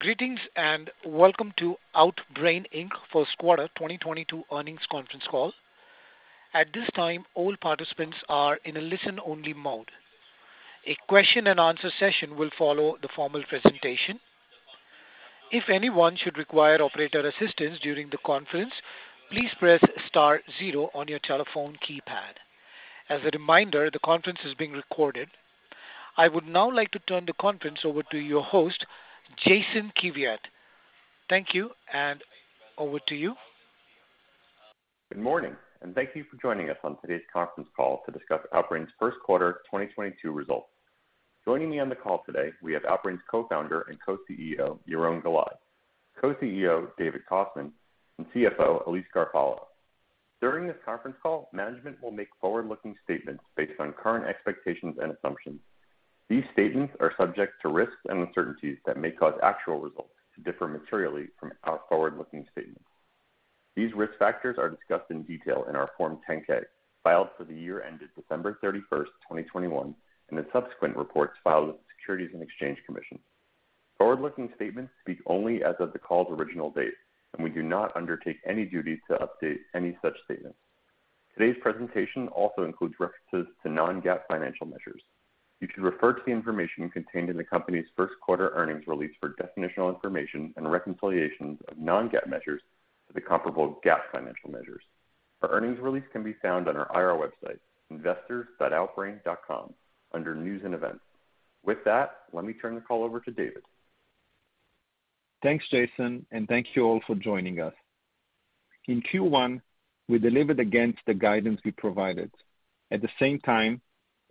Greetings and welcome to Outbrain Inc. first quarter 2022 earnings conference call. At this time, all participants are in a listen-only mode. A question and answer session will follow the formal presentation. If anyone should require operator assistance during the conference, please press star zero on your telephone keypad. As a reminder, the conference is being recorded. I would now like to turn the conference over to your host, Jason Kiviat. Thank you and over to you. Good morning, and thank you for joining us on today's conference call to discuss Outbrain's first quarter 2022 results. Joining me on the call today we have Outbrain's co-founder and co-CEO, Yaron Galai, co-CEO, David Kostman, and CFO, Elise Garofagno. During this conference call, management will make forward-looking statements based on current expectations and assumptions. These statements are subject to risks and uncertainties that may cause actual results to differ materially from our forward-looking statements. These risk factors are discussed in detail in our Form 10-K filed for the year ended December 31st, 2021, and the subsequent reports filed with the Securities and Exchange Commission. Forward-looking statements speak only as of the call's original date, and we do not undertake any duty to update any such statements. Today's presentation also includes references to non-GAAP financial measures. You should refer to the information contained in the company's first quarter earnings release for definitional information and reconciliations of non-GAAP measures to the comparable GAAP financial measures. Our earnings release can be found on our IR website, investors.outbrain.com, under News and Events. With that, let me turn the call over to David. Thanks, Jason, and thank you all for joining us. In Q1, we delivered against the guidance we provided. At the same time,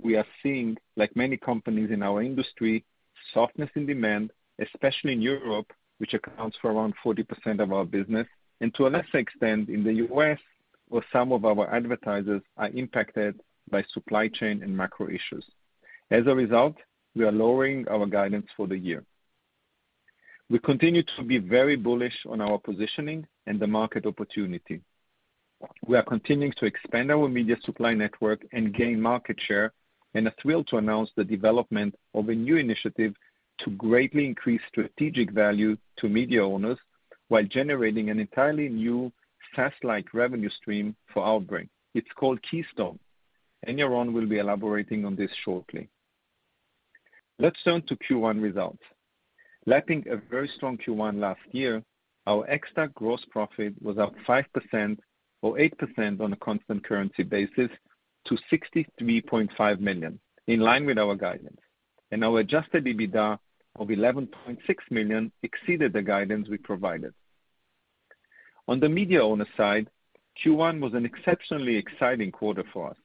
we are seeing, like many companies in our industry, softness in demand, especially in Europe, which accounts for around 40% of our business and to a lesser extent in the U.S., where some of our advertisers are impacted by supply chain and macro issues. As a result, we are lowering our guidance for the year. We continue to be very bullish on our positioning and the market opportunity. We are continuing to expand our media supply network and gain market share and are thrilled to announce the development of a new initiative to greatly increase strategic value to media owners while generating an entirely new SaaS-like revenue stream for Outbrain. It's called Keystone, and Yaron will be elaborating on this shortly. Let's turn to Q1 results. Lapping a very strong Q1 last year, our ex-TAC gross profit was up 5% or 8% on a constant currency basis to $63.5 million, in line with our guidance. Our adjusted EBITDA of $11.6 million exceeded the guidance we provided. On the media owner side, Q1 was an exceptionally exciting quarter for us.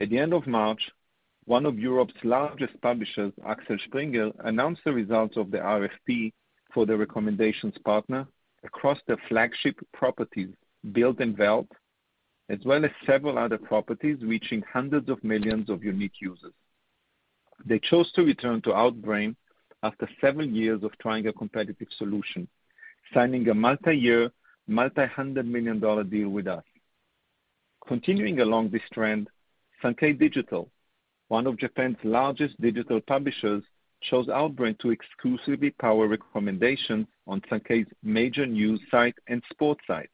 At the end of March, one of Europe's largest publishers, Axel Springer, announced the results of the RFP for the recommendations partner across their flagship properties, Bild and Welt, as well as several other properties reaching hundreds of millions of unique users. They chose to return to Outbrain after seven years of trying a competitive solution, signing a multi-year, multi-hundred-million-dollar deal with us. Continuing along this trend, Sankei Digital, one of Japan's largest digital publishers, chose Outbrain to exclusively power recommendation on Sankei's major news site and sports site.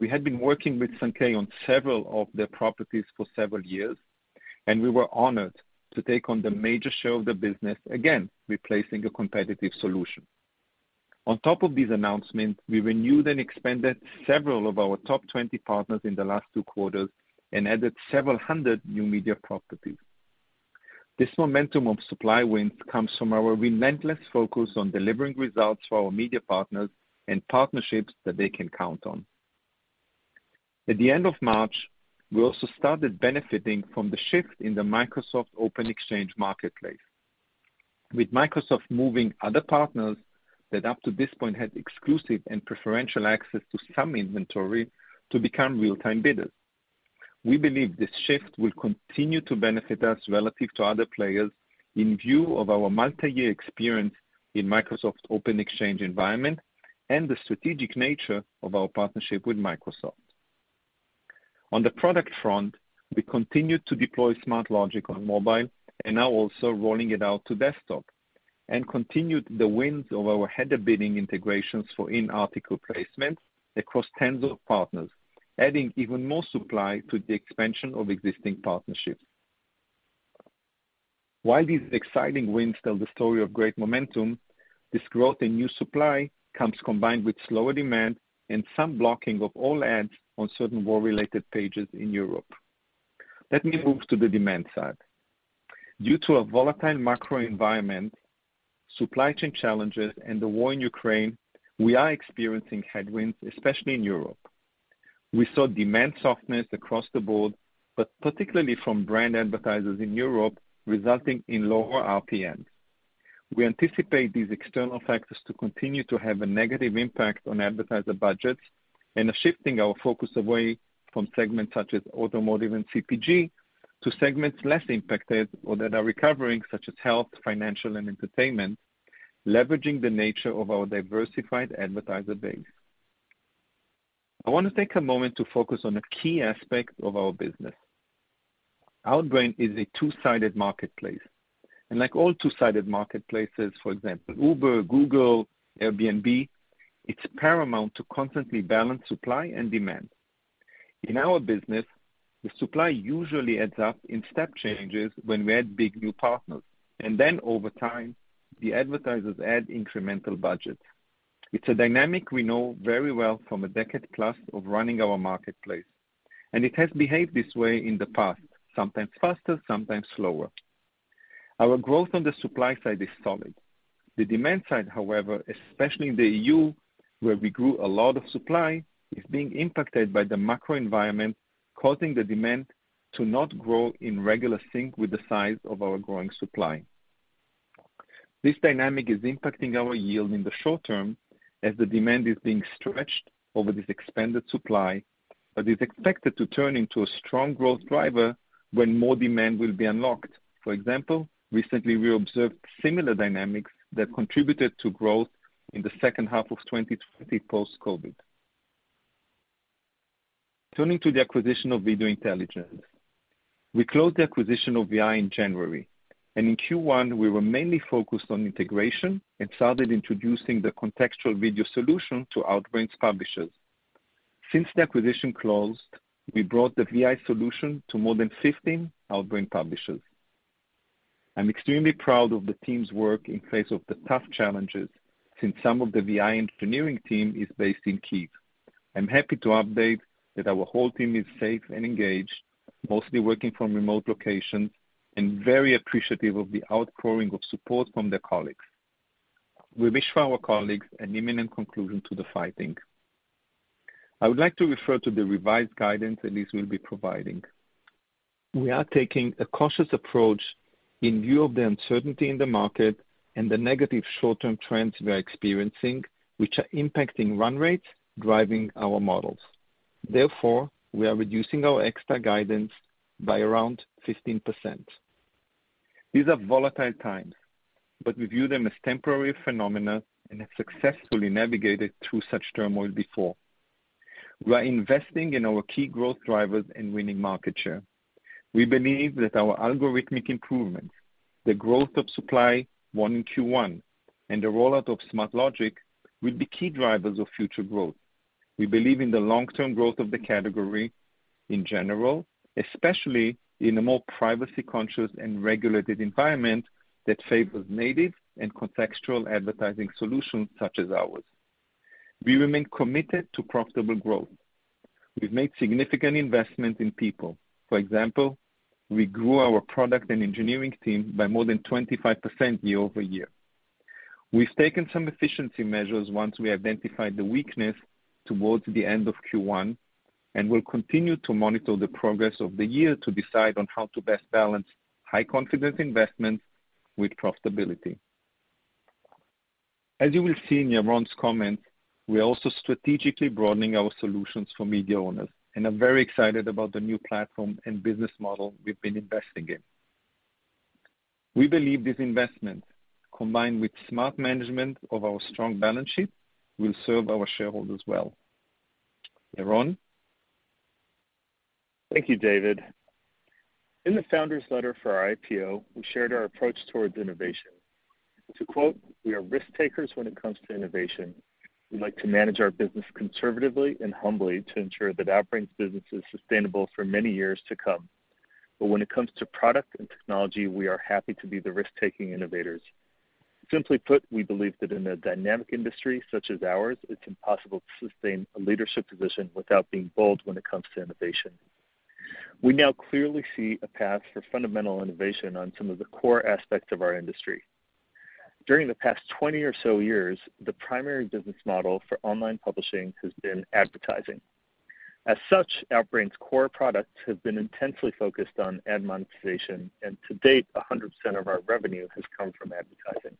We had been working with Sankei on several of their properties for several years, and we were honored to take on the major share of the business again, replacing a competitive solution. On top of these announcements, we renewed and expanded several of our top 20 partners in the last two quarters and added several hundred new media properties. This momentum of supply wins comes from our relentless focus on delivering results for our media partners and partnerships that they can count on. At the end of March, we also started benefiting from the shift in the Microsoft Open Exchange marketplace, with Microsoft moving other partners that up to this point had exclusive and preferential access to some inventory to become real-time bidders. We believe this shift will continue to benefit us relative to other players in view of our multi-year experience in Microsoft Open Exchange environment and the strategic nature of our partnership with Microsoft. On the product front, we continued to deploy Smart Logic on mobile and are also rolling it out to desktop and continued the wins of our header bidding integrations for in-article placements across tens of partners, adding even more supply to the expansion of existing partnerships. While these exciting wins tell the story of great momentum, this growth in new supply comes combined with slower demand and some blocking of all ads on certain war-related pages in Europe. Let me move to the demand side. Due to a volatile macro environment, supply chain challenges, and the war in Ukraine, we are experiencing headwinds, especially in Europe. We saw demand softness across the board, but particularly from brand advertisers in Europe, resulting in lower RPMs. We anticipate these external factors to continue to have a negative impact on advertiser budgets and are shifting our focus away from segments such as automotive and CPG to segments less impacted or that are recovering, such as health, financial, and entertainment, leveraging the nature of our diversified advertiser base. I want to take a moment to focus on a key aspect of our business. Outbrain is a two-sided marketplace, and like all two-sided marketplaces, for example, Uber, Google, Airbnb, it's paramount to constantly balance supply and demand. In our business, the supply usually adds up in step changes when we add big new partners, and then over time, the advertisers add incremental budget. It's a dynamic we know very well from a decade-plus of running our marketplace, and it has behaved this way in the past, sometimes faster, sometimes slower. Our growth on the supply side is solid. The demand side, however, especially in the EU, where we grew a lot of supply, is being impacted by the macro environment, causing the demand to not grow in regular sync with the size of our growing supply. This dynamic is impacting our yield in the short term as the demand is being stretched over this expanded supply, but is expected to turn into a strong growth driver when more demand will be unlocked. For example, recently, we observed similar dynamics that contributed to growth in the second half of 2020 post-COVID. Turning to the acquisition of Video Intelligence. We closed the acquisition of vi in January, and in Q1 we were mainly focused on integration and started introducing the contextual video solution to Outbrain's publishers. Since the acquisition closed, we brought the solution to more than 15 Outbrain publishers. I'm extremely proud of the team's work in face of the tough challenges since some of the vi engineering team is based in Kyiv. I'm happy to update that our whole team is safe and engaged, mostly working from remote locations and very appreciative of the outpouring of support from their colleagues. We wish for our colleagues an imminent conclusion to the fighting. I would like to refer to the revised guidance that Elise will be providing. We are taking a cautious approach in view of the uncertainty in the market and the negative short-term trends we are experiencing, which are impacting run rates, driving our models. Therefore, we are reducing our ex-TAC guidance by around 15%. These are volatile times, but we view them as temporary phenomena and have successfully navigated through such turmoil before. We are investing in our key growth drivers and winning market share. We believe that our algorithmic improvements, the growth of supply in Q1, and the rollout of Smart Logic will be key drivers of future growth. We believe in the long-term growth of the category in general, especially in a more privacy-conscious and regulated environment that favors native and contextual advertising solutions such as ours. We remain committed to profitable growth. We've made significant investments in people. For example, we grew our product and engineering team by more than 25% year-over-year. We've taken some efficiency measures once we identified the weakness towards the end of Q1, and we'll continue to monitor the progress of the year to decide on how to best balance high-confidence investments with profitability. As you will see in Yaron's comments, we are also strategically broadening our solutions for media owners and are very excited about the new platform and business model we've been investing in. We believe this investment, combined with smart management of our strong balance sheet, will serve our shareholders well. Yaron? Thank you, David. In the founder's letter for our IPO, we shared our approach toward innovation. To quote, "We are risk-takers when it comes to innovation. We like to manage our business conservatively and humbly to ensure that Outbrain's business is sustainable for many years to come. But when it comes to product and technology, we are happy to be the risk-taking innovators." Simply put, we believe that in a dynamic industry such as ours, it's impossible to sustain a leadership position without being bold when it comes to innovation. We now clearly see a path for fundamental innovation on some of the core aspects of our industry. During the past 20 or so years, the primary business model for online publishing has been advertising. As such, Outbrain's core products have been intensely focused on ad monetization, and to date, 100% of our revenue has come from advertising.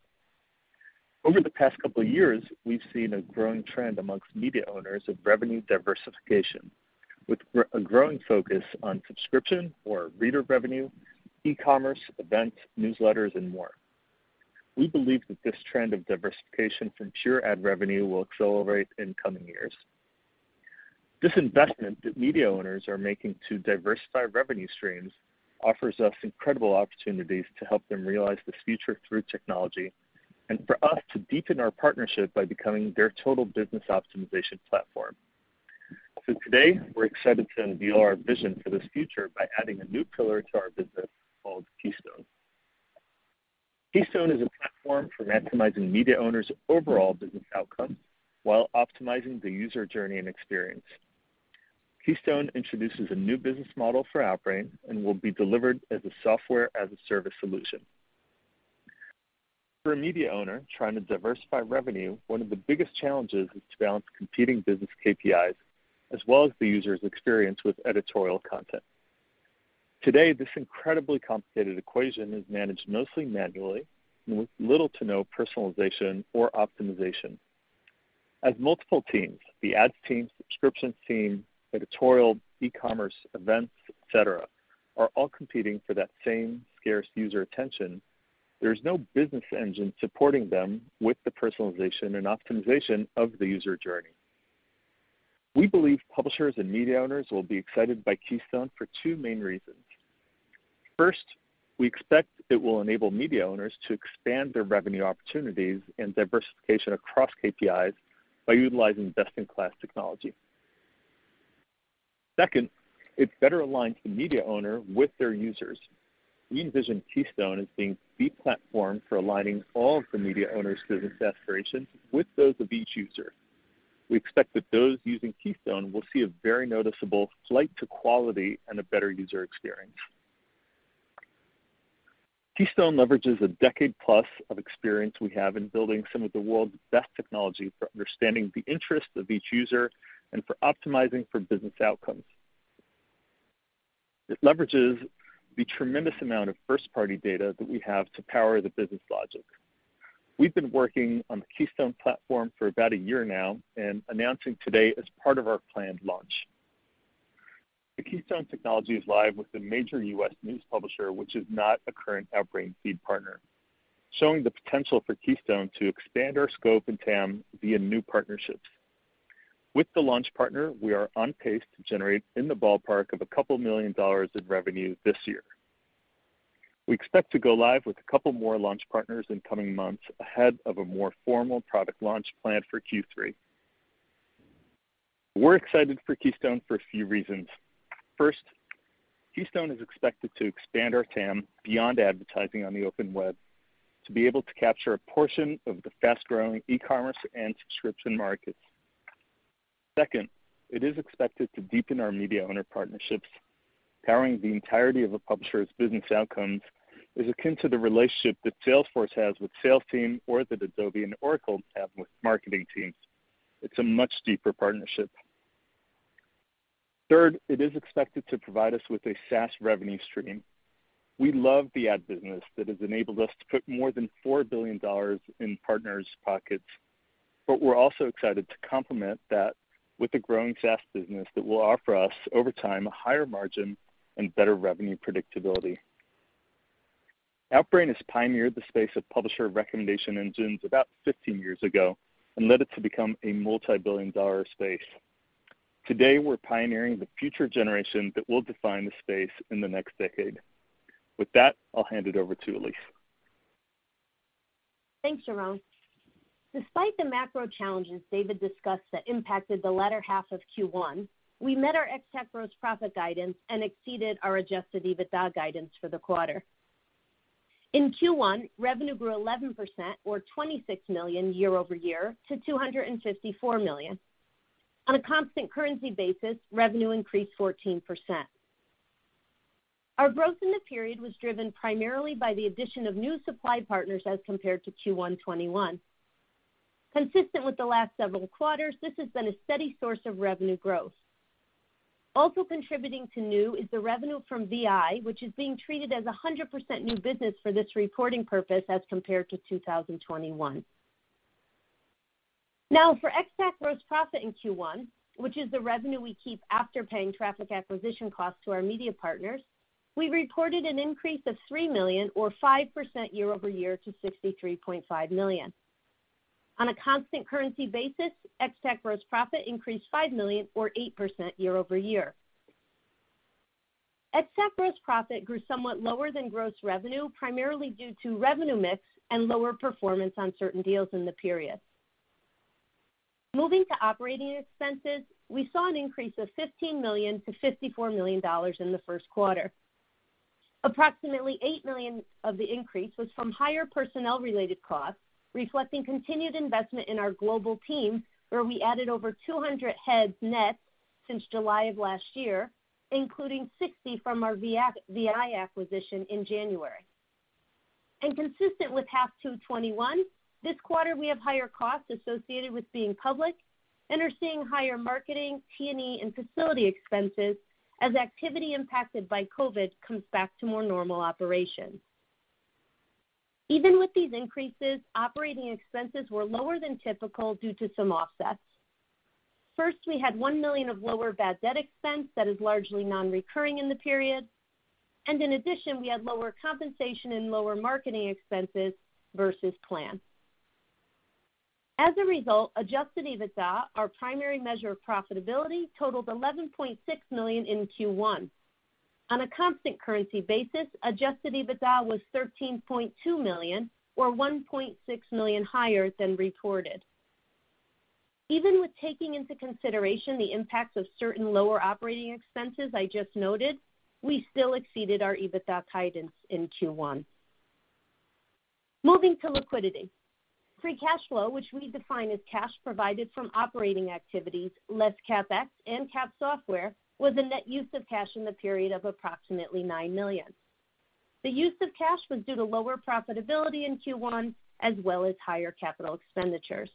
Over the past couple of years, we've seen a growing trend among media owners of revenue diversification, with a growing focus on subscription or reader revenue, e-commerce, events, newsletters, and more. We believe that this trend of diversification from pure ad revenue will accelerate in coming years. This investment that media owners are making to diversify revenue streams offers us incredible opportunities to help them realize this future through technology and for us to deepen our partnership by becoming their total business optimization platform. Today, we're excited to unveil our vision for this future by adding a new pillar to our business called Keystone. Keystone is a platform for maximizing media owners' overall business outcome while optimizing the user journey and experience. Keystone introduces a new business model for operating and will be delivered as a software as a service solution. For a media owner trying to diversify revenue, one of the biggest challenges is to balance competing business KPIs as well as the user's experience with editorial content. Today, this incredibly complicated equation is managed mostly manually, with little to no personalization or optimization. As multiple teams, the ads team, subscriptions team, editorial, e-commerce, events, et cetera, are all competing for that same scarce user attention. There's no business engine supporting them with the personalization and optimization of the user journey. We believe publishers and media owners will be excited by Keystone for two main reasons. First, we expect it will enable media owners to expand their revenue opportunities and diversification across KPIs by utilizing best-in-class technology. Second, it better aligns the media owner with their users. We envision Keystone as being the platform for aligning all of the media owner's business aspirations with those of each user. We expect that those using Keystone will see a very noticeable flight to quality and a better user experience. Keystone leverages a decade plus of experience we have in building some of the world's best technology for understanding the interests of each user and for optimizing for business outcomes. It leverages the tremendous amount of first-party data that we have to power the business logic. We've been working on the Keystone platform for about a year now and announcing today as part of our planned launch. The Keystone technology is live with a major U.S. news publisher, which is not a current Outbrain feed partner, showing the potential for Keystone to expand our scope and TAM via new partnerships. With the launch partner, we are on pace to generate in the ballpark of $2 million in revenue this year. We expect to go live with a couple more launch partners in coming months ahead of a more formal product launch planned for Q3. We're excited for Keystone for a few reasons. First, Keystone is expected to expand our TAM beyond advertising on the open web to be able to capture a portion of the fast-growing e-commerce and subscription markets. Second, it is expected to deepen our media owner partnerships. Powering the entirety of a publisher's business outcomes is akin to the relationship that Salesforce has with sales team or that Adobe and Oracle have with marketing teams. It's a much deeper partnership. Third, it is expected to provide us with a SaaS revenue stream. We love the ad business that has enabled us to put more than $4 billion in partners' pockets, but we're also excited to complement that with a growing SaaS business that will offer us, over time, a higher margin and better revenue predictability. Outbrain has pioneered the space of publisher recommendation engines about 15 years ago and led it to become a multi-billion-dollar space. Today, we're pioneering the future generation that will define the space in the next decade. With that, I'll hand it over to Elise. Thanks, Yaron. Despite the macro challenges David discussed that impacted the latter half of Q1, we met our ex-TAC gross profit guidance and exceeded our adjusted EBITDA guidance for the quarter. In Q1, revenue grew 11% or $26 million year-over-year to $254 million. On a constant currency basis, revenue increased 14%. Our growth in the period was driven primarily by the addition of new supply partners as compared to Q1 2021. Consistent with the last several quarters, this has been a steady source of revenue growth. Also contributing to new is the revenue from VI, which is being treated as 100% new business for this reporting purpose as compared to 2021. Now for ex-TAC gross profit in Q1, which is the revenue we keep after paying traffic acquisition costs to our media partners, we reported an increase of $3 million or 5% year-over-year to $63.5 million. On a constant currency basis, ex-TAC gross profit increased $5 million or 8% year-over-year. Ex-TAC gross profit grew somewhat lower than gross revenue, primarily due to revenue mix and lower performance on certain deals in the period. Moving to operating expenses, we saw an increase of $15 million to $54 million in the first quarter. Approximately $8 million of the increase was from higher personnel-related costs, reflecting continued investment in our global team, where we added over 200 heads net since July of last year, including 60 from our video intelligence acquisition in January. Consistent with half two 2021, this quarter we have higher costs associated with being public and are seeing higher marketing, T&E, and facility expenses as activity impacted by COVID comes back to more normal operations. Even with these increases, operating expenses were lower than typical due to some offsets. First, we had $1 million of lower bad debt expense that is largely non-recurring in the period. In addition, we had lower compensation and lower marketing expenses versus plan. As a result, adjusted EBITDA, our primary measure of profitability, totaled $11.6 million in Q1. On a constant currency basis, adjusted EBITDA was $13.2 million or $1.6 million higher than reported. Even with taking into consideration the impacts of certain lower operating expenses I just noted, we still exceeded our EBITDA guidance in Q1. Moving to liquidity. Free cash flow, which we define as cash provided from operating activities, less CapEx and capitalized software, was a net use of cash in the period of approximately $9 million. The use of cash was due to lower profitability in Q1 as well as higher capital expenditures.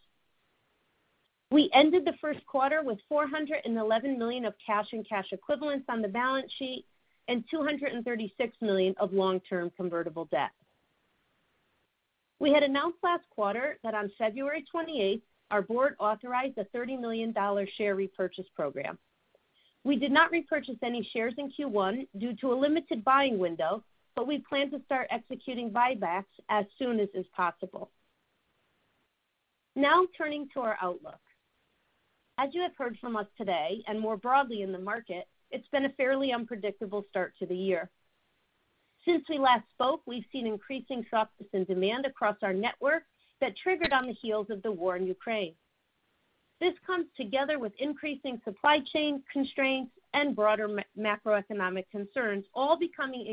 We ended the first quarter with $411 million of cash and cash equivalents on the balance sheet, and $236 million of long-term convertible debt. We had announced last quarter that on February 28th, our board authorized a $30 million share repurchase program. We did not repurchase any shares in Q1 due to a limited buying window, but we plan to start executing buybacks as soon as is possible. Now turning to our outlook. As you have heard from us today and more broadly in the market, it's been a fairly unpredictable start to the year. Since we last spoke, we've seen increasing softness in demand across our network that triggered on the heels of the war in Ukraine. This comes together with increasing supply chain constraints and broader macroeconomic concerns all becoming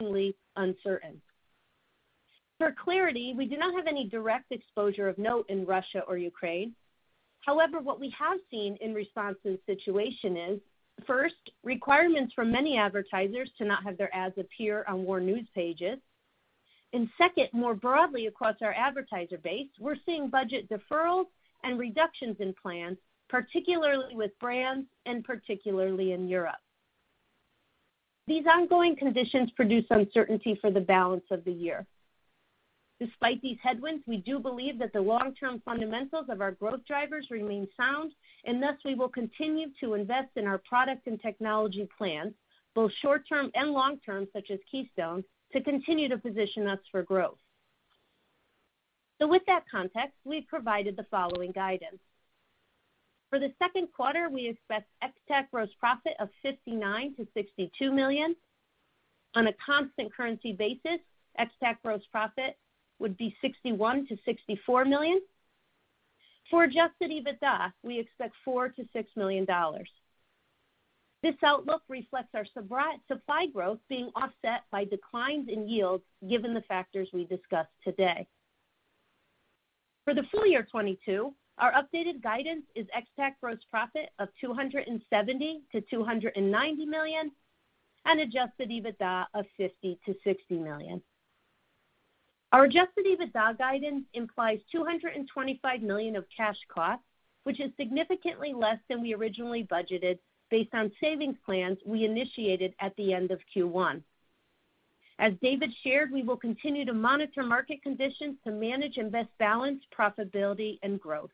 increasingly uncertain. For clarity, we do not have any direct exposure of note in Russia or Ukraine. However, what we have seen in response to the situation is, first, requirements from many advertisers to not have their ads appear on war news pages. Second, more broadly across our advertiser base, we're seeing budget deferrals and reductions in plans, particularly with brands and particularly in Europe. These ongoing conditions produce uncertainty for the balance of the year. Despite these headwinds, we do believe that the long-term fundamentals of our growth drivers remain sound, and thus we will continue to invest in our product and technology plans, both short term and long term, such as Keystone, to continue to position us for growth. With that context, we've provided the following guidance. For the second quarter, we expect ex-TAC gross profit of $59 million-$62 million. On a constant currency basis, ex-TAC gross profit would be $61 million-$64 million. For Adjusted EBITDA, we expect $4 million-$6 million. This outlook reflects our supply growth being offset by declines in yields given the factors we discussed today. For the full year 2022, our updated guidance is ex-TAC gross profit of $270 million-$290 million and Adjusted EBITDA of $50 million-$60 million. Our Adjusted EBITDA guidance implies $225 million of cash costs, which is significantly less than we originally budgeted based on savings plans we initiated at the end of Q1. As David shared, we will continue to monitor market conditions to manage and best balance profitability and growth.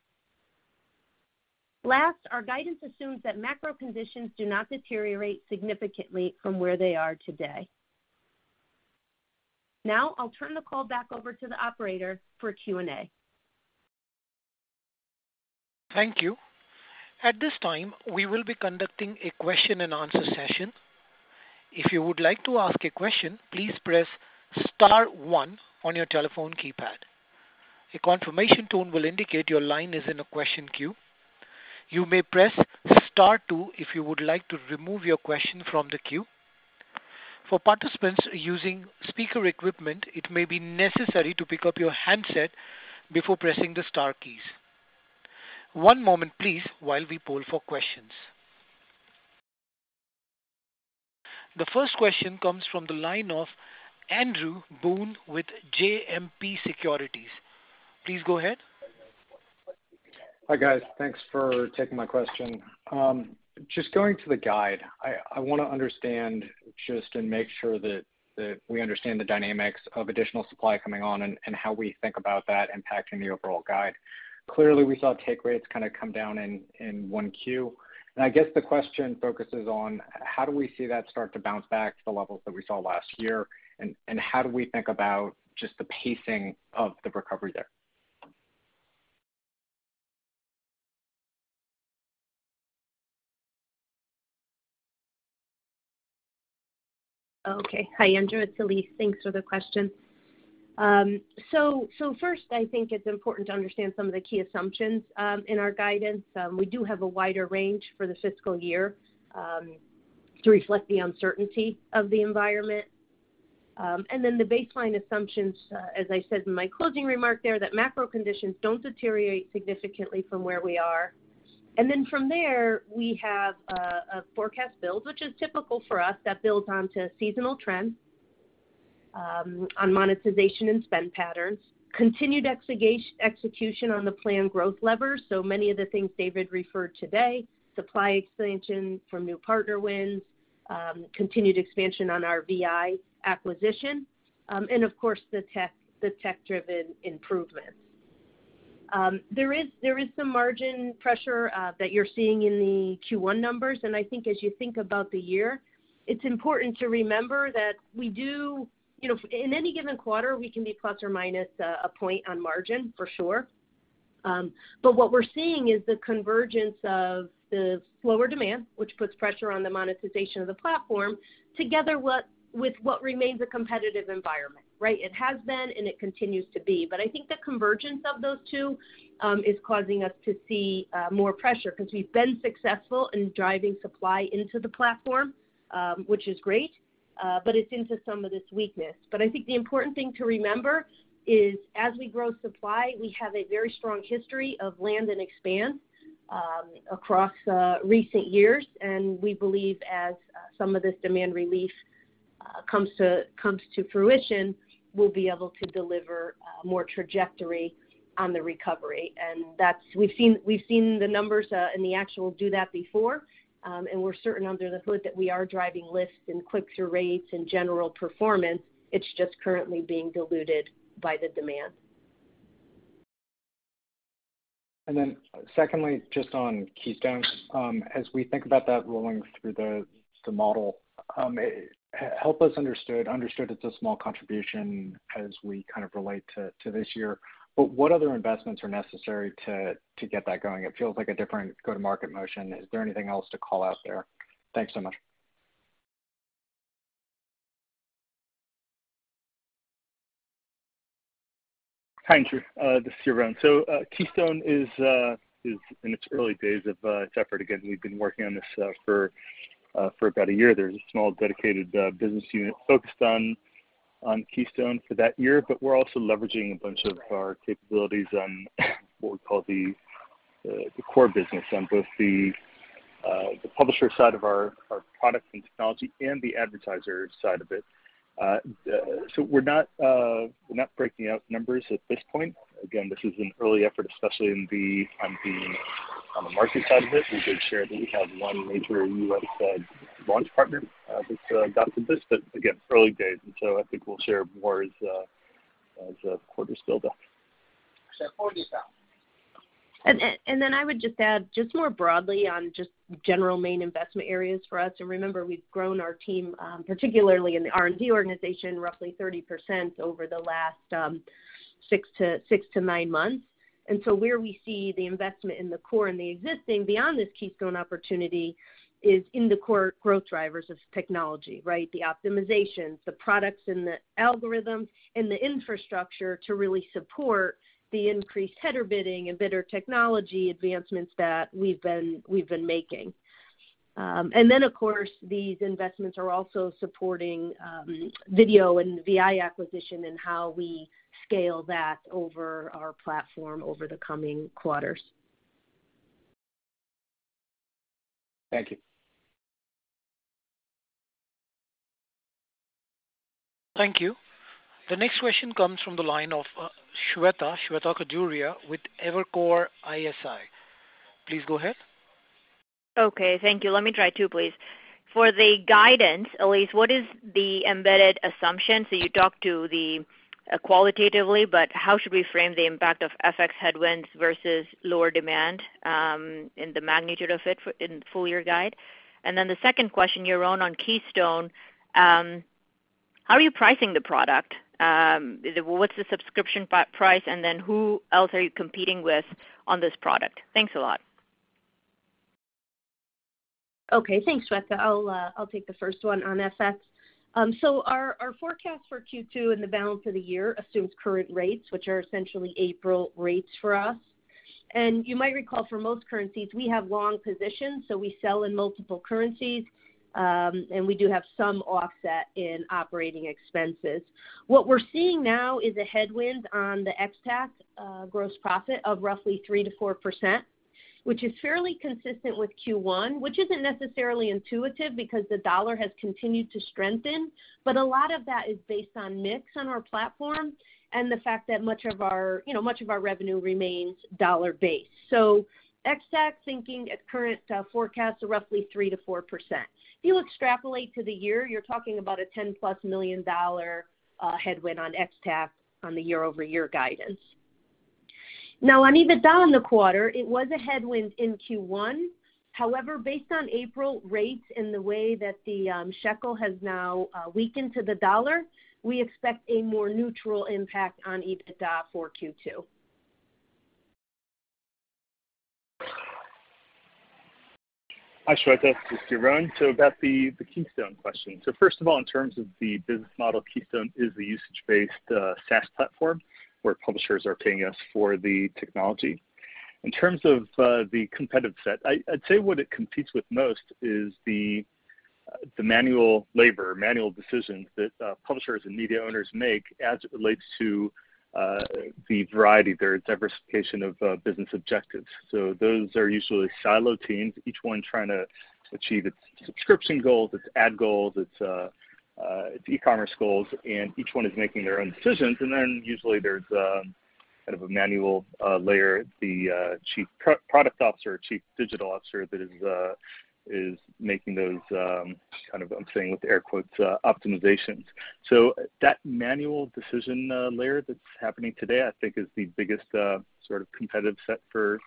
Last, our guidance assumes that macro conditions do not deteriorate significantly from where they are today. Now, I'll turn the call back over to the operator for Q&A. Thank you. At this time, we will be conducting a question-and-answer session. If you would like to ask a question, please press star one on your telephone keypad. A confirmation tone will indicate your line is in a question queue. You may press star two if you would like to remove your question from the queue. For participants using speaker equipment, it may be necessary to pick up your handset before pressing the star keys. One moment please while we poll for questions. The first question comes from the line of Andrew Boone with JMP Securities. Please go ahead. Hi, guys. Thanks for taking my question. Just going to the guide, I wanna understand just and make sure that we understand the dynamics of additional supply coming on and how we think about that impacting the overall guide. Clearly, we saw take rates kind of come down in 1Q. I guess the question focuses on how do we see that start to bounce back to the levels that we saw last year, and how do we think about just the pacing of the recovery there? Okay. Hi, Andrew. It's Elise. Thanks for the question. First, I think it's important to understand some of the key assumptions in our guidance. We do have a wider range for the fiscal year to reflect the uncertainty of the environment. The baseline assumptions, as I said in my closing remark there, that macro conditions don't deteriorate significantly from where we are. From there, we have a forecast build, which is typical for us, that builds onto seasonal trends on monetization and spend patterns, continued execution on the planned growth levers, so many of the things David referred to today, supply expansion from new partner wins, continued expansion on our vi acquisition, and of course, the tech-driven improvements. There is some margin pressure that you're seeing in the Q1 numbers. I think as you think about the year, it's important to remember that we do, you know, in any given quarter, we can be plus or minus a point on margin for sure. What we're seeing is the convergence of the slower demand, which puts pressure on the monetization of the platform, together with what remains a competitive environment, right? It has been, and it continues to be. I think the convergence of those two is causing us to see more pressure because we've been successful in driving supply into the platform, which is great, but it's into some of this weakness. I think the important thing to remember is as we grow supply, we have a very strong history of land and expand across recent years, and we believe as some of this demand relief comes to fruition, we'll be able to deliver more trajectory on the recovery. We've seen the numbers and the actuals do that before, and we're certain under the hood that we are driving lifts and click-through rates and general performance. It's just currently being diluted by the demand. Secondly, just on Keystone. As we think about that rolling through the model, help us understand it's a small contribution as we kind of relate to this year. What other investments are necessary to get that going? It feels like a different go-to-market motion. Is there anything else to call out there? Thanks so much. Hi, Andrew. This is Yaron. Keystone is in its early days of its effort. Again, we've been working on this for about a year. There's a small dedicated business unit focused on Keystone for that year, but we're also leveraging a bunch of our capabilities on what we call the core business on both the publisher side of our product and technology and the advertiser side of it. We're not breaking out numbers at this point. Again, this is an early effort, especially on the market side of it. We did share that we have one major U.S.-led launch partner that's got some business. Again, early days, I think we'll share more as the quarters build up. Then I would just add just more broadly on just general main investment areas for us. Remember, we've grown our team, particularly in the R&D organization, roughly 30% over the last six to nine months. Where we see the investment in the core and the existing beyond this Keystone opportunity is in the core growth drivers of technology, right? The optimizations, the products and the algorithms and the infrastructure to really support the increased header bidding and bidder technology advancements that we've been making. Of course, these investments are also supporting video and vi acquisition and how we scale that over our platform over the coming quarters. Thank you. Thank you. The next question comes from the line of Shweta Khajuria with Evercore ISI. Please go ahead. Okay. Thank you. Let me try two, please. For the guidance, Elise, what is the embedded assumption? You talked about it qualitatively, but how should we frame the impact of FX headwinds versus lower demand, and the magnitude of it in full-year guide? Then the second question, Yaron, on Keystone, how are you pricing the product? What's the subscription price, and then who else are you competing with on this product? Thanks a lot. Okay. Thanks, Shweta. I'll take the first one on FX. Our forecast for Q2 and the balance of the year assumes current rates, which are essentially April rates for us. You might recall for most currencies, we have long positions, so we sell in multiple currencies, and we do have some offset in operating expenses. What we're seeing now is a headwind on the Ex-TAC gross profit of roughly 3%-4%, which is fairly consistent with Q1, which isn't necessarily intuitive because the dollar has continued to strengthen. But a lot of that is based on mix on our platform and the fact that much of our, you know, revenue remains dollar-based. Ex-TAC thinking at current forecasts are roughly 3%-4%. If you extrapolate to the year, you're talking about a $10+ million headwind on Ex-TAC on the year-over-year guidance. Now on EBITDA in the quarter, it was a headwind in Q1. However, based on April rates and the way that the shekel has now weakened to the dollar, we expect a more neutral impact on EBITDA for Q2. Hi, Shweta. This is Yaron. About the Keystone question. First of all, in terms of the business model, Keystone is a usage-based, SaaS platform where publishers are paying us for the technology. In terms of the competitive set, I'd say what it competes with most is the manual labor, manual decisions that publishers and media owners make as it relates to the variety, their diversification of business objectives. Those are usually siloed teams, each one trying to achieve its subscription goals, its ad goals, its e-commerce goals, and each one is making their own decisions. Then usually there's kind of a manual layer, the chief product officer, chief digital officer that is making those kind of, I'm saying with air quotes, optimizations. That manual decision layer that's happening today, I think is the biggest sort of competitive set for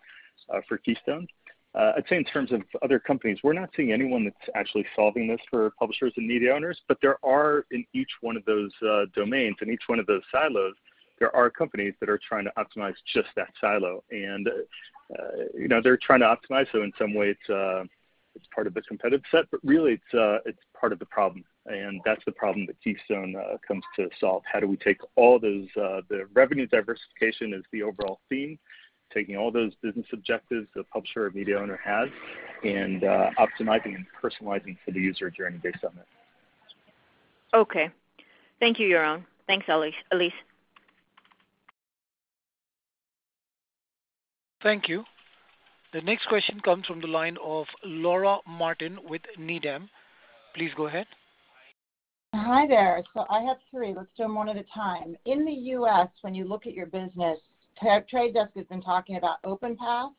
Keystone. I'd say in terms of other companies, we're not seeing anyone that's actually solving this for publishers and media owners, but there are in each one of those domains, in each one of those silos, there are companies that are trying to optimize just that silo. You know, they're trying to optimize, so in some ways it's part of the competitive set, but really it's part of the problem, and that's the problem that Keystone comes to solve. How do we take all those the revenue diversification as the overall theme, taking all those business objectives the publisher or media owner has, and optimizing and personalizing for the user journey based on it? Okay. Thank you, Yaron. Thanks, Elise. Thank you. The next question comes from the line of Laura Martin with Needham. Please go ahead. Hi there. I have three. Let's do them one at a time. In the U.S., when you look at your business, The Trade Desk has been talking about OpenPath,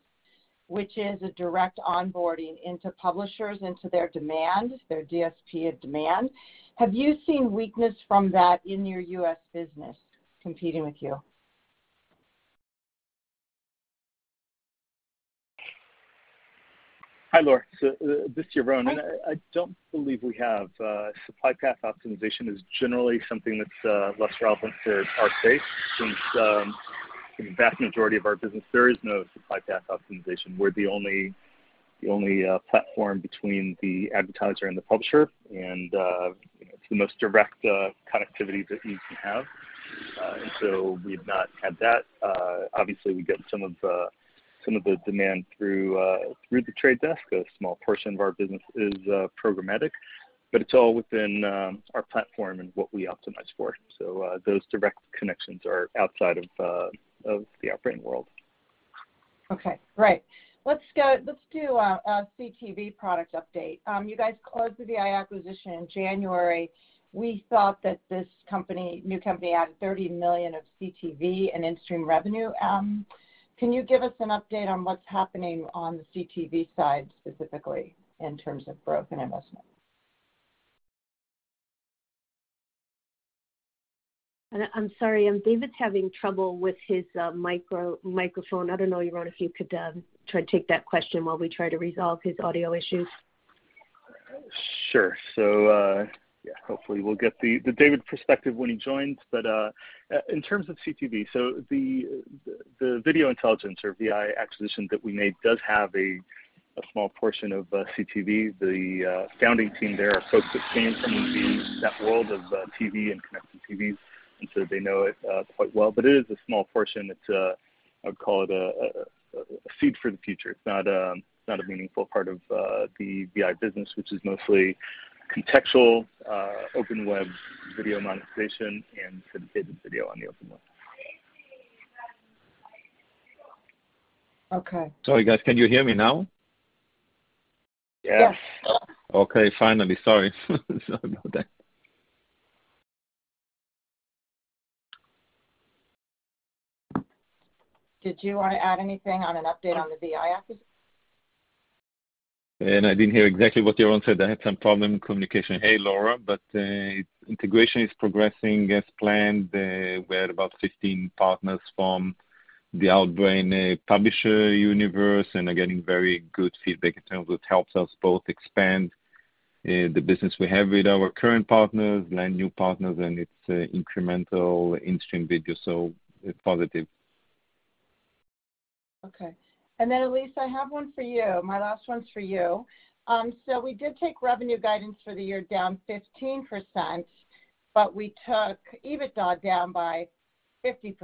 which is a direct onboarding into publishers, into their demand, their DSP of demand. Have you seen weakness from that in your U.S. business competing with you? Hi, Laura. This is Yaron. Hi. I don't believe we have. Supply path optimization is generally something that's less relevant to our space since the vast majority of our business, there is no supply path optimization. We're the only platform between the advertiser and the publisher, and you know, it's the most direct connectivity that you can have. We've not had that. Obviously, we get some of the demand through The Trade Desk. A small portion of our business is programmatic, but it's all within our platform and what we optimize for. Those direct connections are outside of the Outbrain world. Let's do a CTV product update. You guys closed the vi acquisition in January. We thought that this company, new company, added $30 million of CTV and in-stream revenue. Can you give us an update on what's happening on the CTV side, specifically in terms of growth and investment? I'm sorry, David's having trouble with his microphone. I don't know, Yaron, if you could try to take that question while we try to resolve his audio issues. Sure. Hopefully we'll get the David perspective when he joins. In terms of CTV, the video intelligence or vi acquisition that we made does have a small portion of CTV. The founding team there are folks that came from that world of TV and connected TVs, and so they know it quite well. It is a small portion. It's I would call it a seed for the future. It's not a meaningful part of the vi business, which is mostly contextual open web video monetization and sort of native video on the open web. Okay. Sorry, guys. Can you hear me now? Yes. Yes. Okay. Finally. Sorry. Sorry about that. Did you wanna add anything on an update on the vi acquisition? I didn't hear exactly what Yaron said. I had some problem communication. Hey, Laura. Integration is progressing as planned. We're at about 15 partners from the Outbrain publisher universe, and are getting very good feedback in terms of it helps us both expand the business we have with our current partners, land new partners, and it's incremental in-stream video. It's positive. Okay. Then, Elise, I have one for you. My last one's for you. We did take revenue guidance for the year down 15%, but we took EBITDA down by 50%.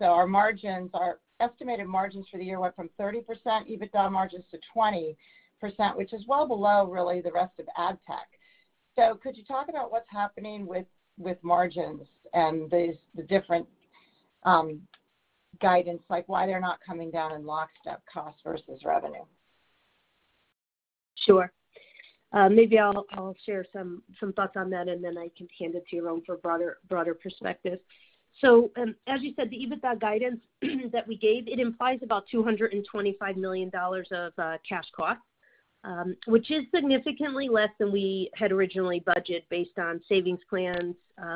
Our margins, our estimated margins for the year went from 30% EBITDA margins to 20%, which is well below really the rest of ad tech. Could you talk about what's happening with margins and these the different guidance, like why they're not coming down in lockstep cost versus revenue? Maybe I'll share some thoughts on that, and then I can hand it to Yaron for broader perspective. As you said, the EBITDA guidance that we gave, it implies about $225 million of cash cost, which is significantly less than we had originally budgeted based on savings plans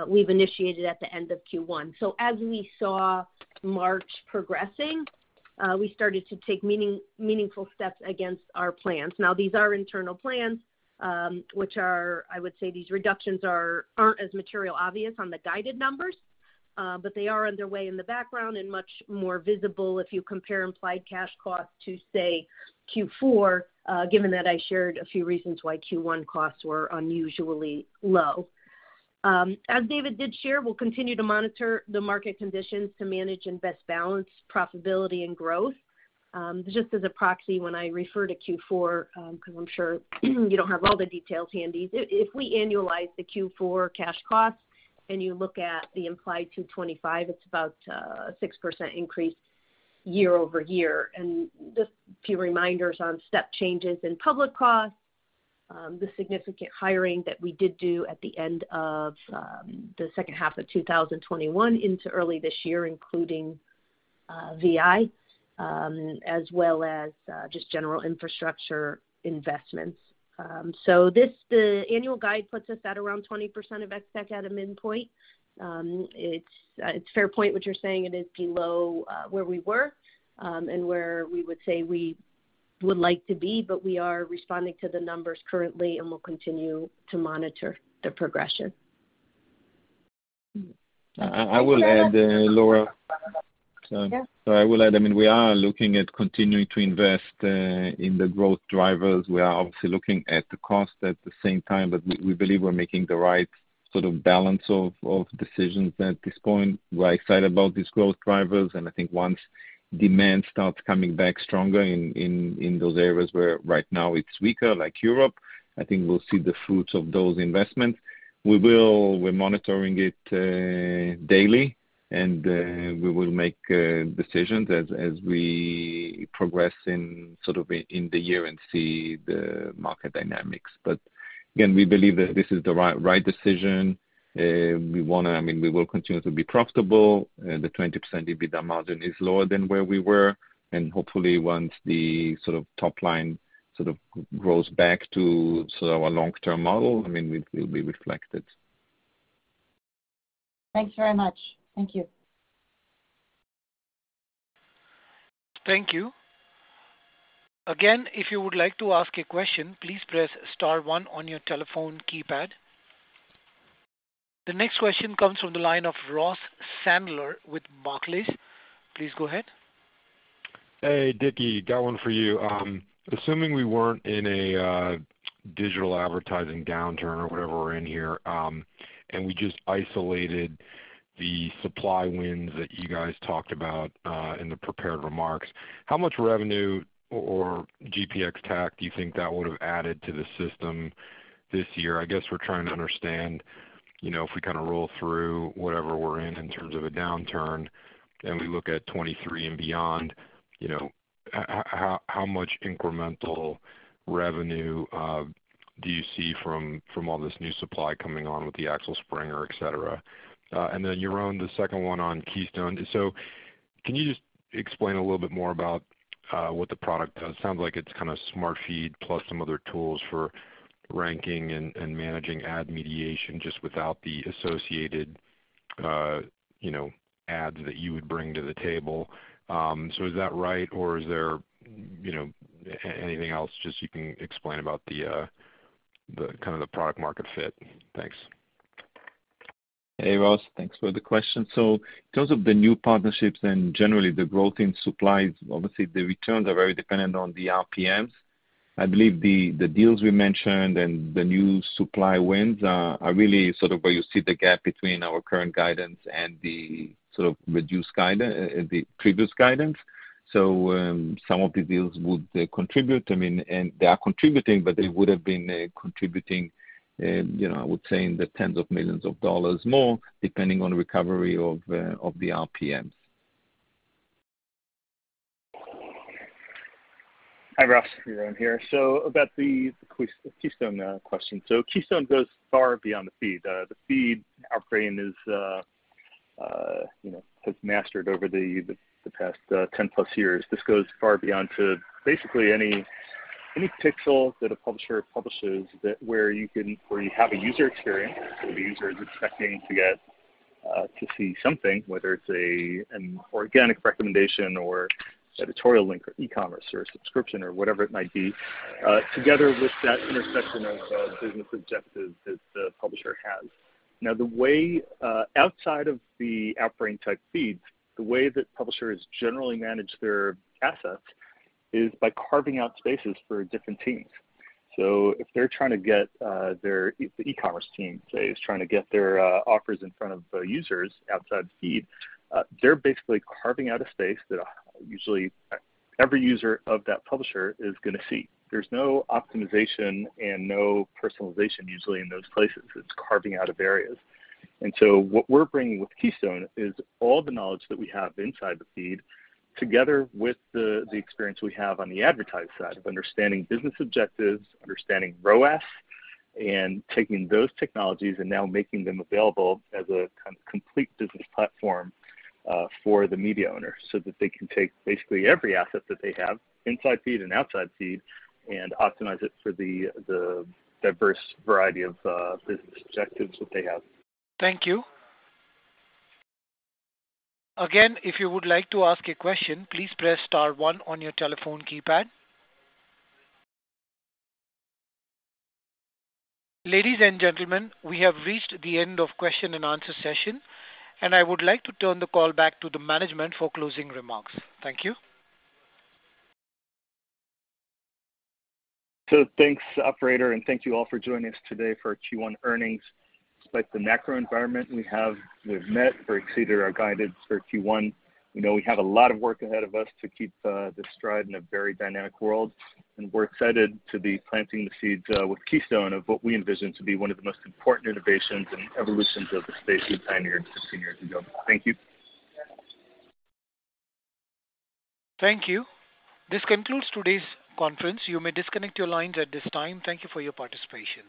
we've initiated at the end of Q1. As we saw March progressing, we started to take meaningful steps against our plans. Now, these are internal plans, which are, I would say, these reductions aren't as materially obvious on the guided numbers, but they are underway in the background and much more visible if you compare implied cash costs to, say, Q4, given that I shared a few reasons why Q1 costs were unusually low. As David did share, we'll continue to monitor the market conditions to manage and best balance profitability and growth. Just as a proxy when I refer to Q4, 'cause I'm sure you don't have all the details handy. If we annualize the Q4 cash costs and you look at the implied $225 million, it's about a 6% increase year-over-year. Just a few reminders on step changes in public costs. The significant hiring that we did do at the end of the second half of 2021 into early this year, including VI, as well as just general infrastructure investments. So this, the annual guide puts us at around 20% of CapEx at a midpoint. It's a fair point what you're saying, it is below where we were, and where we would say we would like to be, but we are responding to the numbers currently, and we'll continue to monitor the progression. I will add Laura. Yeah. I will add, I mean, we are looking at continuing to invest in the growth drivers. We are obviously looking at the cost at the same time, but we believe we're making the right sort of balance of decisions at this point. We're excited about these growth drivers, and I think once demand starts coming back stronger in those areas where right now it's weaker, like Europe, I think we'll see the fruits of those investments. We're monitoring it daily, and we will make decisions as we progress in sort of in the year and see the market dynamics. Again, we believe that this is the right decision. I mean, we will continue to be profitable. The 20% EBITDA margin is lower than where we were, and hopefully once the sort of top line sort of grows back to sort of our long-term model, I mean, we'll be reflected. Thanks very much. Thank you. Thank you. Again, if you would like to ask a question, please press star one on your telephone keypad. The next question comes from the line of Ross Sandler with Barclays. Please go ahead. Hey, Dickie. Got one for you. Assuming we weren't in a digital advertising downturn or whatever we're in here, and we just isolated the supply wins that you guys talked about in the prepared remarks, how much revenue or GP ex-TAC do you think that would have added to the system this year? I guess we're trying to understand, you know, if we kind of roll through whatever we're in in terms of a downturn and we look at 2023 and beyond, you know, how much incremental revenue do you see from all this new supply coming on with the Axel Springer, et cetera? Then, Yaron, the second one on Keystone. Can you just explain a little bit more about what the product does? It sounds like it's kind of Smart Feed plus some other tools for ranking and managing ad mediation just without the associated, you know, ads that you would bring to the table. Is that right or is there, you know, anything else that you can explain about the kind of product market fit? Thanks. Hey, Ross. Thanks for the question. In terms of the new partnerships and generally the growth in supply, obviously the returns are very dependent on the RPMs. I believe the deals we mentioned and the new supply wins are really sort of where you see the gap between our current guidance and the previous guidance. Some of the deals would contribute. I mean, and they are contributing, but they would have been contributing, you know, I would say in the tens of millions of dollars more depending on recovery of the RPMs. Hi, Ross. Yaron here. About the Keystone question. Keystone goes far beyond the feed. The feed Outbrain is, you know, has mastered over the past 10+ years. This goes far beyond to basically any pixel that a publisher publishes where you have a user experience. The user is expecting to get to see something, whether it's an organic recommendation or editorial link or e-commerce or subscription or whatever it might be, together with that intersection of business objectives that the publisher has. Now the way outside of the Outbrain type feeds, the way that publishers generally manage their assets is by carving out spaces for different teams. If they're trying to get their e-commerce team, say, is trying to get their offers in front of users outside feed, they're basically carving out a space that usually every user of that publisher is gonna see. There's no optimization and no personalization usually in those places. It's carving out of areas. And so what we're bringing with Keystone is all the knowledge that we have inside the feed together with the experience we have on the advertiser side of understanding business objectives, understanding ROAS, and taking those technologies and now making them available as a kind of complete business platform for the media owner so that they can take basically every asset that they have inside feed and outside feed and optimize it for the diverse variety of business objectives that they have. Thank you. Again, if you would like to ask a question, please press star one on your telephone keypad. Ladies and gentlemen, we have reached the end of question and answer session, and I would like to turn the call back to the management for closing remarks. Thank you. Thanks, operator, and thank you all for joining us today for our Q1 earnings. Despite the macro environment we have, we've met or exceeded our guidance for Q1. We know we have a lot of work ahead of us to keep the stride in a very dynamic world, and we're excited to be planting the seeds with Keystone of what we envision to be one of the most important innovations and evolutions of the space we've pioneered 16 years ago. Thank you. Thank you. This concludes today's conference. You may disconnect your lines at this time. Thank you for your participation.